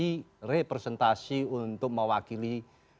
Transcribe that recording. jadi representasi untuk mewakili sebuah